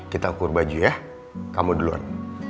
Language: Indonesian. kita ukur baju ya kamu duluan